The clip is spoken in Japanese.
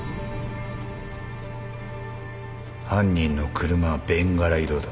犯人の車はベンガラ色だ。